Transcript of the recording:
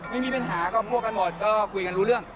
มีปัญหาก็พูดกันหมดก็คุยกันรู้เรื่อง